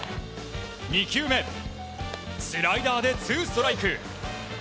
２球目スライダーでツーストライク。